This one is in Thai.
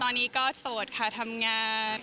ตอนนี้ก็โสดค่ะทำงาน